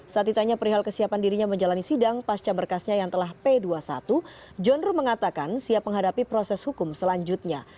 saat ditanya perihal kesiapan dirinya menjalani sidang pasca berkasnya yang telah p dua puluh satu john ruh mengatakan siap menghadapi proses hukum selanjutnya